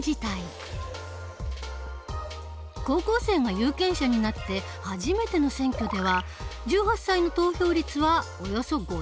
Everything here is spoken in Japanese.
高校生が有権者になって初めての選挙では１８歳の投票率はおよそ５１％。